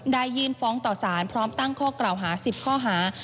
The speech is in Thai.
ยื่นฟ้องต่อสารพร้อมตั้งข้อกล่าวหา๑๐ข้อหา